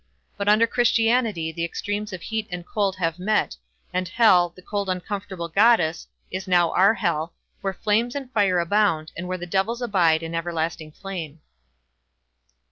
But under Christianity the extremes of heat and cold have met, and Hel, the cold uncomfortable goddess, is now our Hell, where flames and fire abound, and where the devils abide in everlasting flame.